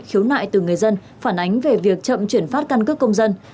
khiếu nại từ người dân phản ánh về việc chậm chuyển phát căn cước công dân